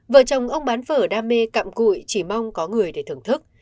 vợ chồng ông bán phở đam mê cặm cụi chỉ mong có người để thưởng thức